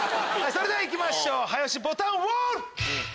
それではいきましょう早押しボタンウォール！